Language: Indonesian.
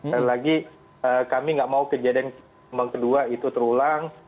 sekali lagi kami nggak mau kejadian gelombang kedua itu terulang